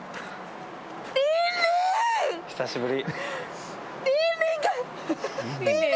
久しぶり！